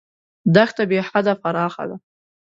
دښته بېحده پراخه ده.